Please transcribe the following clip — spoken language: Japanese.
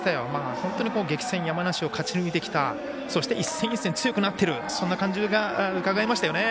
本当に激戦、山梨を勝ち抜いてきたそして、一戦一戦強くなってるそんな感じがうかがえましたよね。